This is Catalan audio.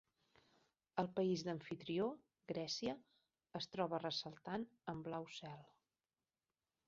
El país d'amfitrió, Grècia, es troba ressaltat en blau cel.